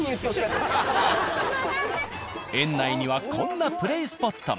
園内にはこんなプレースポットも。